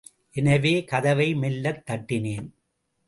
எனவே, கதவை மெல்லத் தட்டினேன்.